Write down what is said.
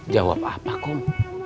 jawab apa kum